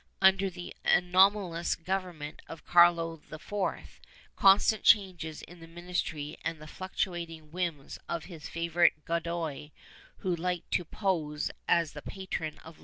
^ Under the anomalous government of Carlos IV, constant changes in the ministry and the fluctuating whims of his favorite Godoy, who liked to pose as the patron of letters * Llorente, cap.